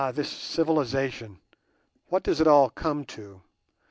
this civilization, what does it all come to?